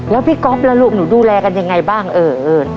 แล้วพี่ก๊อฟล่ะลูกหนูดูแลกันยังไงบ้างเออ